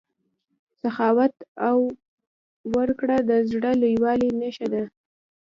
سخاوت او ورکړه د زړه د لویوالي نښه ده.